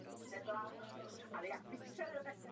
Je součástí celku Krkonošské podhůří.